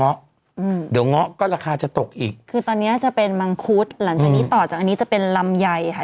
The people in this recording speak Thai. อืมเดี๋ยวเงาะก็ราคาจะตกอีกคือตอนเนี้ยจะเป็นมังคุดหลังจากนี้ต่อจากอันนี้จะเป็นลำไยค่ะ